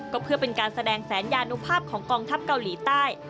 ก็เพื่อเป็นการแสดงแสนยานุภาพของกองทัพเกาหลีใต้